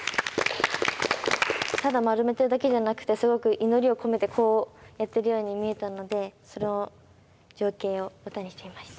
ただ丸めてるだけじゃなくてすごく祈りを込めてこうやってるように見えたのでその情景を歌にしてみました。